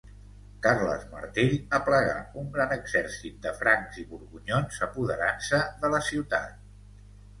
Carles Martell aplegà un gran exèrcit de francs i borgonyons, apoderant-se de la ciutat.